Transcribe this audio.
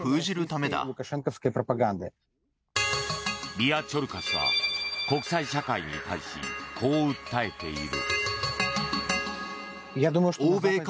ビアチョルカ氏は国際社会に対しこう訴えている。